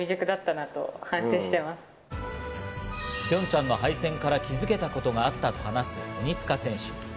ピョンチャンの敗戦から気づけたことがあったと話す鬼塚選手。